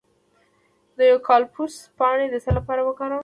د یوکالیپټوس پاڼې د څه لپاره وکاروم؟